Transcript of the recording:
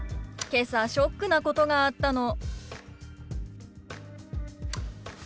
「けさショックなことがあったの」。